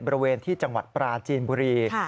บริเวณที่จังหวัดปราจีนบุรี